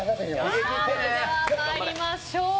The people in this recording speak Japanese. それでは参りましょう。